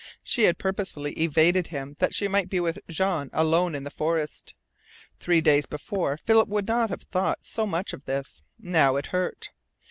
She had purposely evaded him that she might be with Jean alone in the forest. Three days before Philip would not have thought so much of this. Now it hurt.